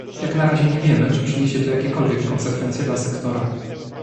Jak na razie nie wiemy, czy przyniesie to jakiekolwiek konsekwencje dla sektora